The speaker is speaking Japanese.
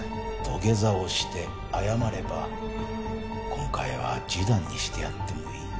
土下座をして謝れば今回は示談にしてやってもいい。